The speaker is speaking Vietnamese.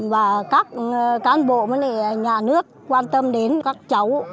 và các cán bộ với nhà nước quan tâm đến các cháu